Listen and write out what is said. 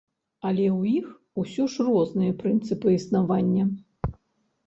Але ў іх усё ж розныя прынцыпы існавання.